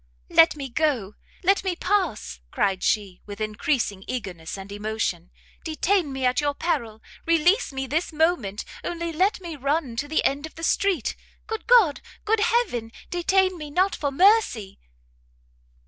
"Let me go! let me pass!" cried she, with encreasing eagerness and emotion; "detain me at your peril! release me this moment only let me run to the end of the street, good God! good Heaven! detain me not for mercy!"